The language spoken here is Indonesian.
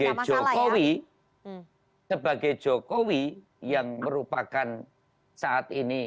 tapi sebagai jokowi sebagai jokowi yang merupakan saat ini